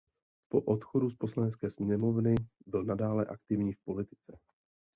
Po odchodu z poslanecké sněmovny byl nadále aktivní v politice.